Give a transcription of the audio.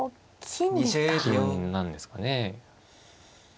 金なんですかね。